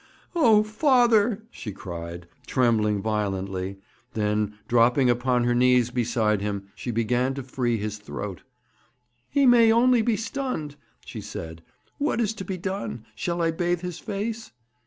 'Oh, father!' she cried, trembling violently; then, dropping upon her knees beside him, she began to free his throat. 'He may only be stunned,' she said. 'What is to be done? Shall I bathe his face?'